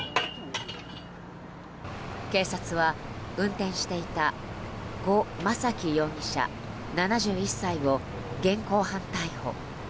警察は運転していたゴ・マサキ容疑者、７１歳を現行犯逮捕。